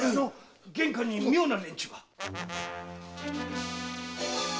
玄関に妙な連中が。